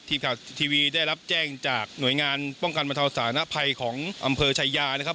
ทีมข่าวทีวีได้รับแจ้งจากหน่วยงานป้องกันบรรเทาสานภัยของอำเภอชายานะครับ